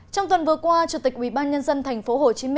trong tuần vừa qua chủ tịch ubnd tp hcm